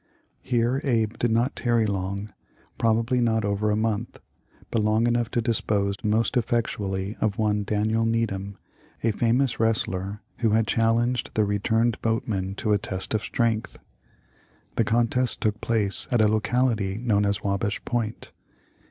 Here Abe did not tarry long, probably not over a month, but long enough to dispose most effectually of one Daniel Needham, a famous wrestler who had challenged the returned boatman to a test of strength. The contest took place at a locality known as "Wabash Point."